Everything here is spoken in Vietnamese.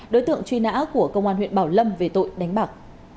đối tượng truy nã của công an huyện bảo lâm về tội đánh bạc